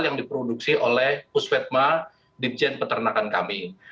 yang diproduksi oleh pusvetma ditjen peternakan kami